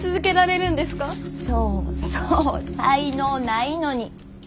そうそう才能ないのに。